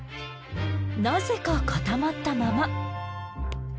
なぜか固まったまま。